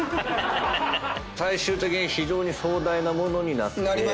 最終的に非常に壮大なものになって。